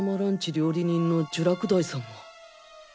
料理人の聚楽大さんが。